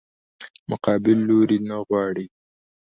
مقابل لوري نه څه غواړې؟